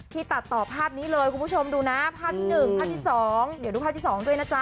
ตัดต่อภาพนี้เลยคุณผู้ชมดูนะภาพที่๑ภาพที่๒เดี๋ยวดูภาพที่๒ด้วยนะจ๊